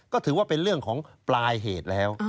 ก็ถือว่าเป็นเรื่องของปลายเหตุแล้ว